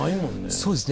そうですね